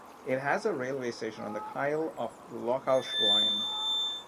It has a railway station on the Kyle of Lochalsh Line.